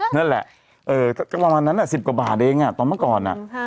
นั่นแหละก็ประมาณนั้น๑๐กว่าบาทเองตอนเมื่อก่อน